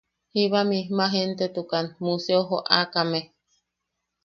Jiba misma gentetukan Museo joakamea.